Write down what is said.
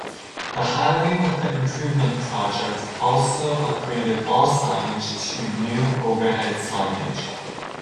The highway with the improvement project also upgraded all signage to new overhead signage.